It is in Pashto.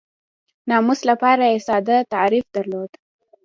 ناموس لپاره یې ساده تعریف درلود.